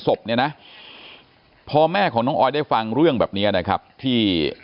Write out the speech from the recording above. ศพเนี่ยนะพอแม่ของน้องออยได้ฟังเรื่องแบบนี้นะครับที่